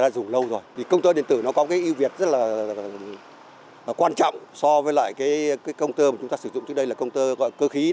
xin chào và hẹn gặp lại